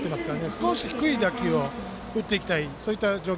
少し低い打球を打っていきたい。